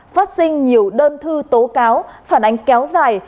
phát sinh nhiều đơn thư tố cáo phản ánh kéo dài